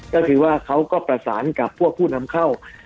ก็คือว่าเขาก็ประสานกับพวกผู้นำเข้า